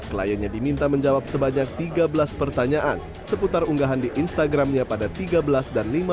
kliennya diminta menjawab sebanyak tiga belas pertanyaan seputar unggahan di instagramnya pada tiga belas dan lima belas